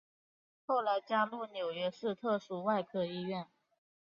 后来加入纽约市特殊外科医院。